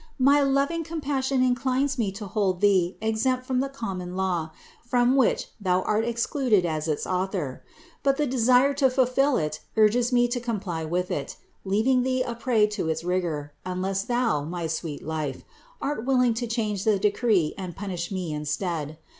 My loving compassion inclines me to hold Thee exempt from the common law, from which Thou art excluded as its Author. But the desire to ful fill it urges me to comply with it, leaving Thee a prey to its rigor, unless Thou, my sweet Life, art willing to change the decree and punish me instead.